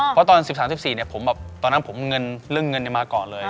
เพราะตอน๑๓๑๔ตอนนั้นผมเลิกเงินมาก่อนเลย